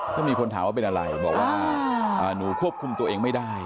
ถ้ามีคนถามว่าเป็นอะไรบอกว่าหนูควบคุมตัวเองไม่ได้